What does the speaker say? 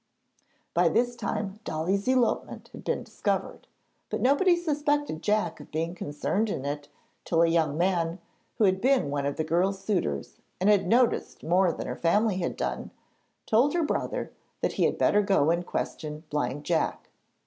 By this time Dolly's elopement had been discovered, but nobody suspected Jack of being concerned in it till a young man, who had been one of the girl's suitors and had noticed more than her family had done, told her brother that he had better go and question Blind Jack.